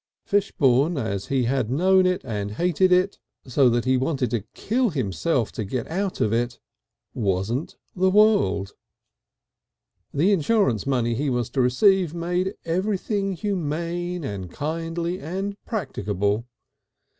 Fishbourne as he had known it and hated it, so that he wanted to kill himself to get out of it, wasn't the world. The insurance money he was to receive made everything humane and kindly and practicable.